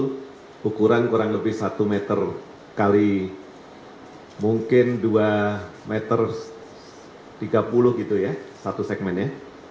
itu ukuran kurang lebih satu meter kali mungkin dua meter tiga puluh gitu ya satu segmennya